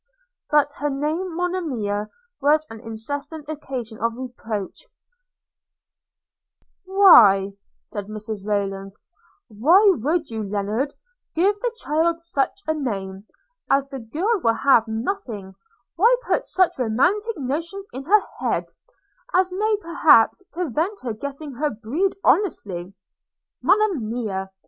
But her name – Monimia – was an incessant occasion of reproach – 'Why,' said Mrs Rayland, 'why would you, Lennard, give the child such a name? As the girl will have nothing, why put such romantic notions in her head, as may perhaps prevent her getting her bread honestly? – Monimia!